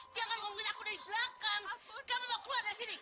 jangan ngomongin aku dari belakang aku mau keluar dari sini